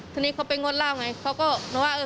ตาแย่